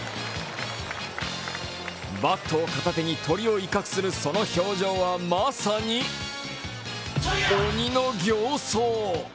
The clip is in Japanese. バットを片手に鳥を威嚇するその表情はまさに鬼の形相。